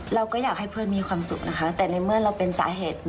เราก็อยากให้เพื่อนมีความสุขนะคะแต่ในเมื่อเราเป็นสาเหตุ